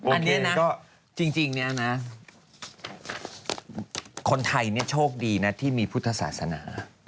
อันนี้ก็จริงเนี่ยนะคนไทยเนี่ยโชคดีนะที่มีพุทธศาสนา